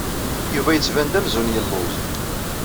Yuba yettban-d amzun yelluẓ.